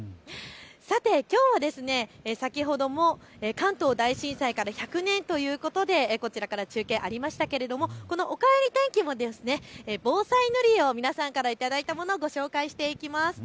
さて、きょうは先ほども関東大震災から１００年ということでこちらから中継がありましたがこのおかえり天気も防災塗り絵を皆さんから頂いたものをご紹介していきます。